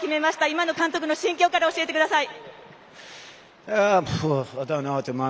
今の監督の心境から教えてください。